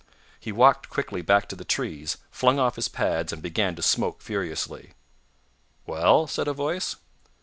He walked quickly back to the trees, flung off his pads, and began to smoke furiously. "Well?" said a voice.